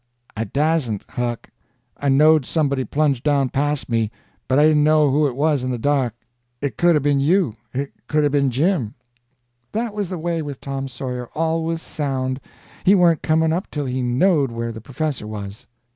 "I dasn't, Huck. I knowed somebody plunged down past me, but I didn't know who it was in the dark. It could 'a' been you, it could 'a' been Jim." That was the way with Tom Sawyer—always sound. He warn't coming up till he knowed where the professor was.